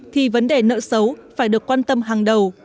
thì vấn đề nợ xấu phải được quan tâm hàng đầu